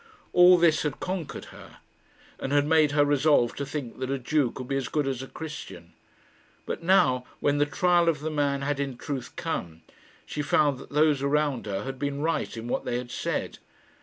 All this had conquered her, and had made her resolve to think that a Jew could be as good as a Christian. But now, when the trial of the man had in truth come, she found that those around her had been right in what they had said.